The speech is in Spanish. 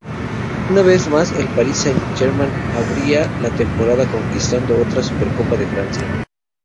Una vez más, el París Saint-Germain abría la temporada conquistando otra Supercopa de Francia.